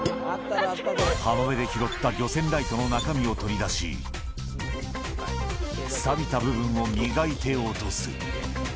浜辺で拾った漁船ライトの中身を取り出し、さびた部分を磨いて落とす。